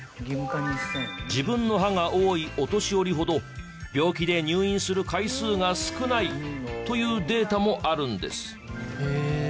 自分の歯が多いお年寄りほど病気で入院する回数が少ないというデータもあるんです。